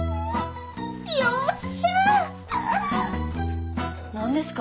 よっしゃー！なんですか？